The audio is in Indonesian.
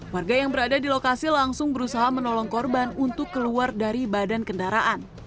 warga yang berada di lokasi langsung berusaha menolong korban untuk keluar dari badan kendaraan